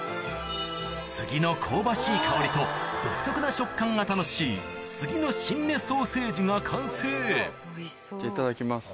スギの香ばしい香りと独特な食感が楽しいスギの新芽ソーセージが完成いただきます。